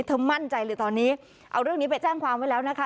มั่นใจเลยตอนนี้เอาเรื่องนี้ไปแจ้งความไว้แล้วนะคะ